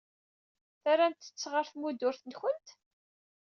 Terramt-t ɣer tmudrut-nwent?